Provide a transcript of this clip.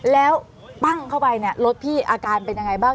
แล้วปั้งเข้าไปเนี่ยรถพี่อาการเป็นยังไงบ้าง